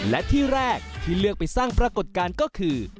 และที่แรกที่เลือกไปสร้างปรากฏการณ์ก็คือ